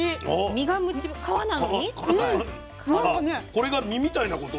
これが身みたいなことってこと？